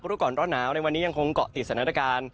รู้ก่อนร้อนหนาวในวันนี้ยังคงเกาะติดสถานการณ์